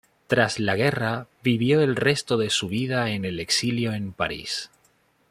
Tras la guerra vivió el resto de su vida en el exilio en París.